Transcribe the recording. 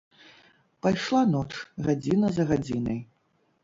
Пайшла ноч, гадзіна за гадзінай.